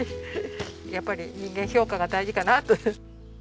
やっぱり人間評価が大事かなと。